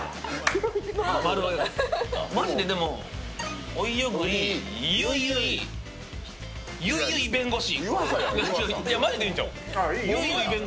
マジで、おいおぐり、ゆいゆいゆいゆい弁護士。